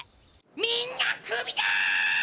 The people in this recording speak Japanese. みんなクビだ！